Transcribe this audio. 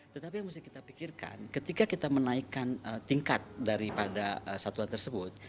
tetapi yang mesti kita pikirkan ketika kita menaikkan tingkat daripada satuan tersebut